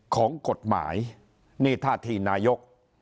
ของกฎหมายนี่ท่าทีนายก